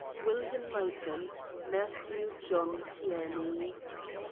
William Knighton. Matthew John TlERNEY."